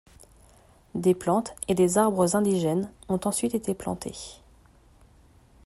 Des plantes et des arbres indigènes ont ensuite été plantés.